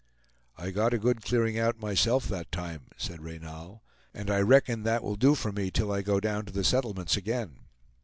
"I got a good clearing out myself that time," said Reynal, "and I reckon that will do for me till I go down to the settlements again."